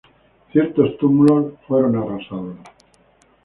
Ciertos túmulos fueron arrasados.